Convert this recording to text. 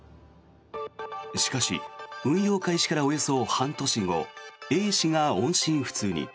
しかし運用開始からおよそ半年後Ａ氏が音信不通に。